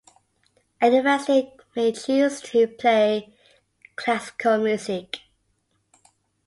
A university may choose to play classical music.